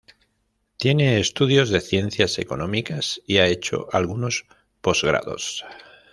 Tiene estudios de Ciencias Económicas y ha hecho algunos posgrados.